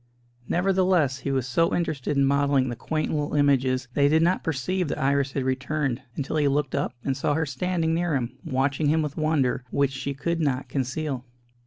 Nevertheless, he was so interested in modelling the quaint little images that he did not perceive that Iris had returned, until he looked up, and saw her standing near him, watching him with wonder, which she could not conceal.